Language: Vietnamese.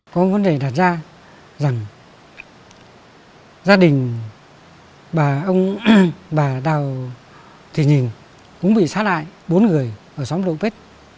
có vấn đề đặt ra rằng gia đình bà đào thị nhìn cũng bị sát lại bốn người ở xóm lộ pết